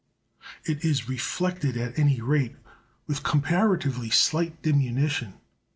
It is reflected, at any rate, with comparatively slight diminution.